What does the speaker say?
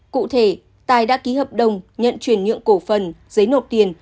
cụ thể tài đã ký hợp đồng nhận chuyển nhượng cổ phần giấy nộp tiền